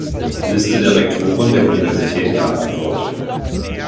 Liste der Rektoren der Universität Klagenfurt